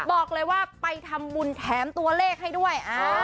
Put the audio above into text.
บอกเลยว่าไปทำบุญแถมตัวเลขให้ด้วย